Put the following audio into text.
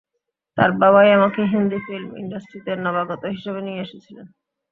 তাঁর বাবাই আমাকে হিন্দি ফিল্ম ইন্ডাস্ট্রিতে নবাগত হিসেবে নিয়ে এসেছিলেন।